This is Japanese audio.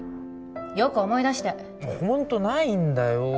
よく思い出してホントないんだよ